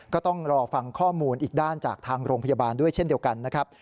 ก็ต้องรอฟังข้อมูลอีกด้านจากทางโรงพยาบาลด้วยเช่นเดียวกันนะครับ